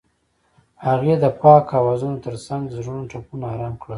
هغې د پاک اوازونو ترڅنګ د زړونو ټپونه آرام کړل.